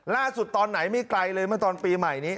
ตอนไหนไม่ไกลเลยเมื่อตอนปีใหม่นี้